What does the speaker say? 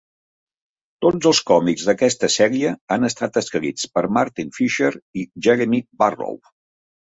Tots els còmics d'aquesta sèrie han estat escrits per Martin Fisher i Jeremy Barlow.